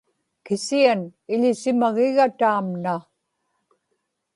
kisian iḷisimagiga taamna